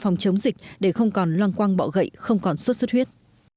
phòng chống dịch để không còn loang quang bọ gậy không còn sốt xuất huyết